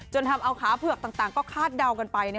ทำเอาขาเผือกต่างก็คาดเดากันไป